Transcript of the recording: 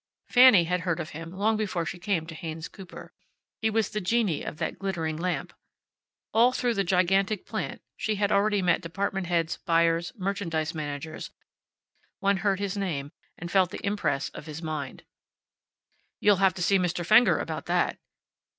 Fanny had heard of him long before she came to Haynes Cooper. He was the genie of that glittering lamp. All through the gigantic plant (she had already met department heads, buyers, merchandise managers) one heard his name, and felt the impress of his mind: "You'll have to see Mr. Fenger about that."